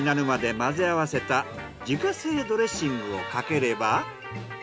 混ぜ合わせた自家製ドレッシングをかければ。